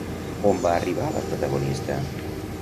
On va arribar la protagonista?